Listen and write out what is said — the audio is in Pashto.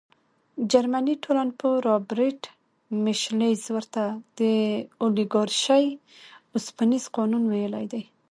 جرمني ټولنپوه رابرټ میشلز ورته د اولیګارشۍ اوسپنیز قانون ویلي.